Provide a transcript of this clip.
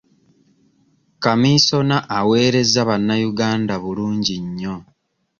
Kamiisona aweerezza bannayuganda bulungi nnyo